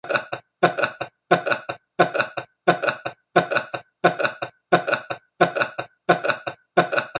Caruso worked on negotiating with the United States Department of Justice.